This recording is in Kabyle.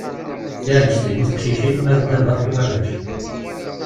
Tiɛleǧtin i teqcicin ma d ddabax i warrac.